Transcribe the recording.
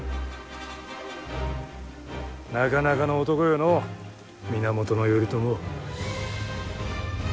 なかなかの男よのう源頼朝。